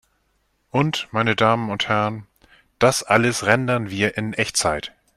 Und, meine Damen und Herren, das alles rendern wir in Echtzeit!